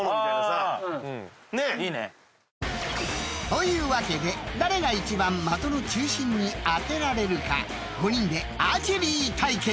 ［というわけで誰が一番的の中心に当てられるか５人でアーチェリー対決！］